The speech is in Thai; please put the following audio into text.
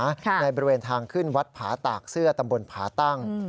ในบริเวณทางขึ้นวัดผาตากเสื้อตำบลผาตั้ง